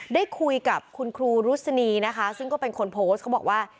ได้คุยกับคุณครูรุษณีนะคะซึ่งก็เป็นคนโพสต์เขาบอกว่า